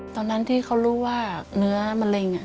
ตอนนั้นที่เขารู้ว่าเนื้อมะเร็ง